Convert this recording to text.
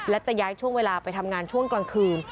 และจะย้ายช่วงเวลาไปทำงานช่วงกลางคืน